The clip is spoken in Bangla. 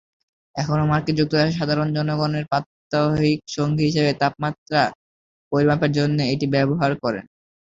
এখনও মার্কিন যুক্তরাষ্ট্রের সাধারণ জনগণের প্রাত্যহিক সঙ্গী হিসেবে তাপমাত্রা পরিমাপের জন্যে এটি ব্যবহার করেন।